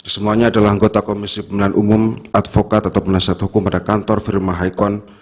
semuanya adalah anggota komisi pembelian umum advokat ataupun nasihat hukum pada kantor firman haikon